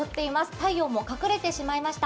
太陽も隠れてしまいました。